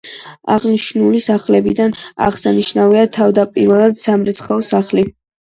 აღნიშნული სახლებიდან აღსანიშნავია თავდაპირველად სამრეცხაო სახლი.